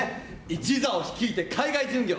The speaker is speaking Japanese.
一座を率いて海外巡業。